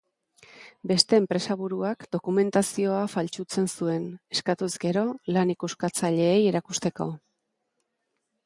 Beste enpresaburuak dokumentazioa faltsutzen zuen, eskatuz gero, lan-ikuskatzaileei erakusteko.